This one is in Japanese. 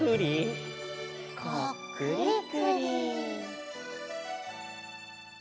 「こっくりくり」